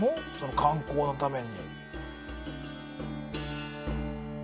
観光のために。